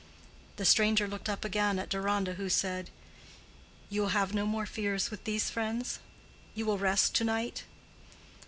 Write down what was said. The stranger looked up again at Deronda, who said, "You will have no more fears with these friends? You will rest to night?"